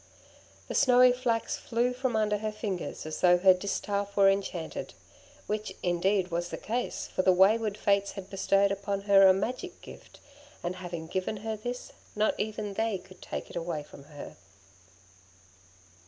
The snowy flax flew from under her fingers as though her distaff were enchanted; which, indeed, was the case, for the wayward Fates had bestowed upon her a magic gift, and having given her this, not even they could take it away from her.